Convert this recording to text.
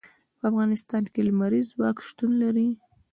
په افغانستان کې لمریز ځواک شتون لري.